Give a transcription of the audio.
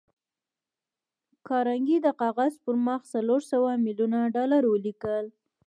کارنګي د کاغذ پر مخ څلور سوه ميليونه ډالر ولیکل